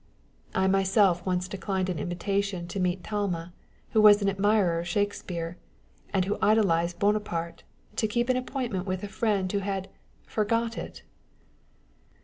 I myself once declined an invitation to meet Talma, who was an admirer of Shakes pear, and who idolized Buonaparte, to keep an appoint ment with a person who had forgot it